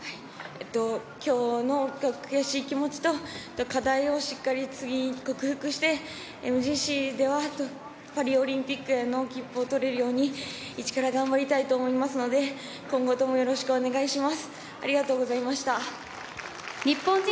きょうの悔しい気持ちと課題をしっかり次、克服してＭＧＣではパリオリンピックへの切符を取れるように１から頑張りたいと思いますので今後ともよろしくお願いします。